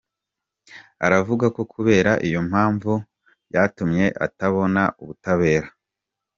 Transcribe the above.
Aravuga ko kubera iyo mpamvu byatumye atabona ubutabera.